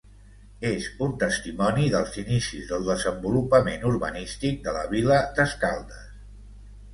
És un testimoni dels inicis del desenvolupament urbanístic de la vila d’Escaldes.